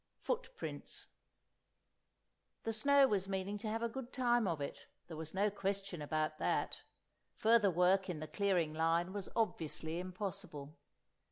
X Footprints THE snow was meaning to have a good time of it; there was no question about that. Further work in the clearing line was obviously impossible.